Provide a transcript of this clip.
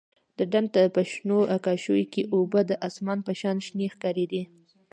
د ډنډ په شنو کاشيو کښې اوبه د اسمان په شان شنې ښکارېدې.